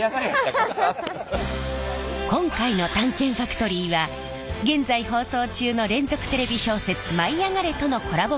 今回の「探検ファクトリー」は現在放送中の連続テレビ小説「舞いあがれ！」とのコラボ